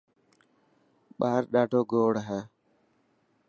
ٻاهر ڏاڌوگوڙ هي.